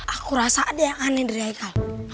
aku rasa ada yang aneh dari kamu